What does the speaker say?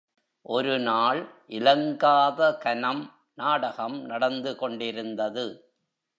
ஒருநாள் இலங்காதகனம் நாடகம் நடந்து கொண்டிருந்தது.